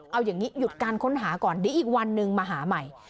เอาอย่างนี้หยุดการค้นหาก่อนเดี๋ยวอีกวันนึงมาหาใหม่